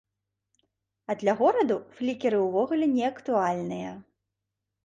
А для гораду флікеры ўвогуле не актуальныя.